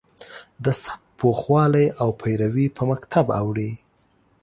د سبک پوخوالی او پیروي په مکتب اوړي.